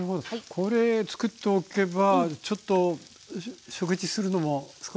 これつくっておけばちょっと食事するのも少し楽になっちゃう。